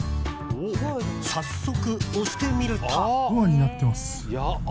早速、押してみると。